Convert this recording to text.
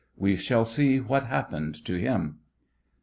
We shall see what happened to him.